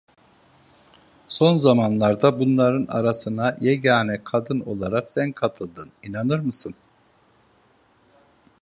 Son zamanlarda bunların arasına yegâne kadın olarak sen katıldın inanır mısın?